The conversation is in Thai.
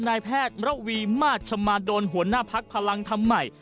นายแพทย์มระวีมาชมาดลหัวหน้าพักพลังธรรมใหม่